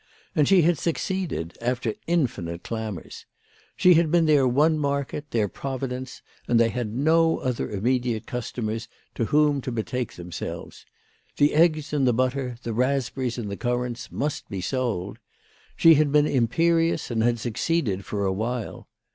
And she had succeeded, after infinite clamours. She had been their one market, their providence, and they had no other immediate customers to whom to betake themselves. The eggs and the butter, the raspberries and the currants, must be sold. She had been imperious and had succeeded, for a while.